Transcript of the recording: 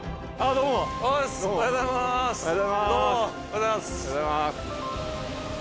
どうもおはようございます。